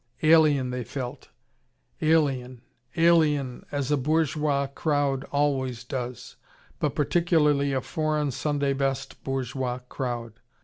Alien they felt, alien, alien, as a bourgeois crowd always does, but particularly a foreign, Sunday best bourgeois crowd.